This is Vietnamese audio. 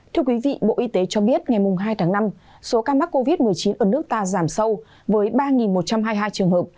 thưa quý vị bộ y tế cho biết ngày hai tháng năm số ca mắc covid một mươi chín ở nước ta giảm sâu với ba một trăm hai mươi hai trường hợp